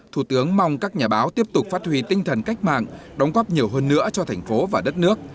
thủ tướng mong các nhà báo tiếp tục phát huy tinh thần cách mạng đóng góp nhiều hơn nữa cho thành phố và đất nước